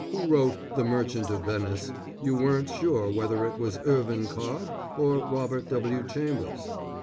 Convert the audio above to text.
who wrote "The Merchant of Venice," you weren't sure whether it was Irvin Cobb or Robert W. Chambers.